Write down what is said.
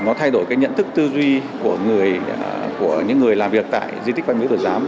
nó thay đổi cái nhận thức tư duy của những người làm việc tại di tích văn miếu giám